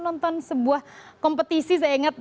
nonton sebuah kompetisi saya ingat